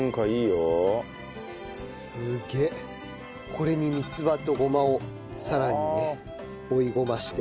これに三つ葉とごまをさらにね追いごまして。